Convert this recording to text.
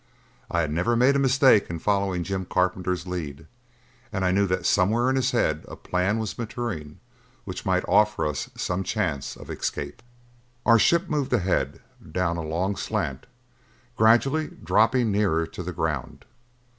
I had never made a mistake in following Jim Carpenter's lead and I knew that somewhere in his head a plan was maturing which might offer us some chance of escape. Our ship moved ahead down a long slant, gradually dropping nearer to the ground.